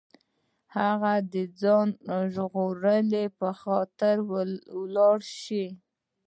هغه د ځان ژغورلو په خاطر ولاړ شي.